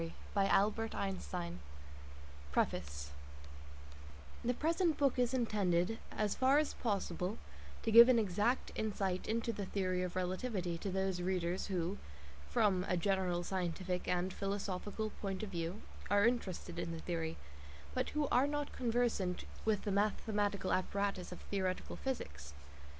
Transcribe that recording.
PREFACE (December, 1916) The present book is intended, as far as possible, to give an exact insight into the theory of Relativity to those readers who, from a general scientific and philosophical point of view, are interested in the theory, but who are not conversant with the mathematical apparatus of theoretical physics.